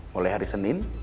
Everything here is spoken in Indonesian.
mulai hari senin